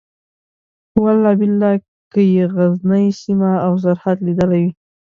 په والله بالله که یې غزنۍ سیمه او سرحد لیدلی وي.